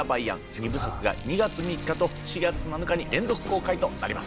二部作が２月３日と４月７日に連続公開となります。